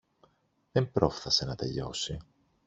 Δεν πρόφθασε να τελειώσει.